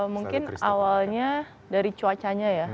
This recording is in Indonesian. mungkin awalnya dari cuacanya ya